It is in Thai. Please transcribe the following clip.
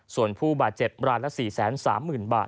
ส่วนผู้บาดเจ็บรายละ๔๓๐๐๐บาท